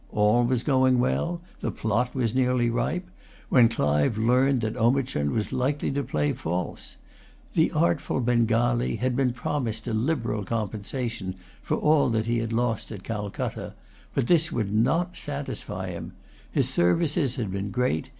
All was going well; the plot was nearly ripe; when Clive learned that Omichund was likely to play false. The artful Bengalee had been promised a liberal compensation for all that he had lost at Calcutta. But this would not satisfy him. His services had been great.